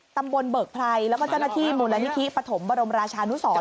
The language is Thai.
ตำบลเบิกไพรและเจ้าหน้าทีมูลนิธิปฐมบรมราชานุศร